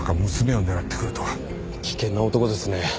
危険な男ですね。